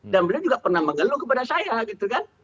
dan beliau juga pernah menggeluh kepada saya gitu kan